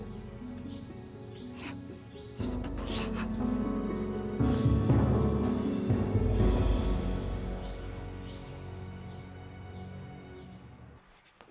dia tetap berusaha